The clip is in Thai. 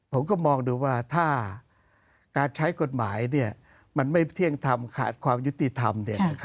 ผมก็มองดูว่าถ้าการใช้กฎหมายมันไม่เที่ยงทำขาดความยุติธรรม